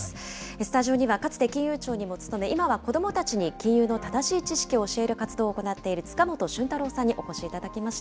スタジオにはかつて金融庁にも勤め、今は子どもたちに金融の正しい知識を教える活動を行っている塚本俊太郎さんにお越しいただきました。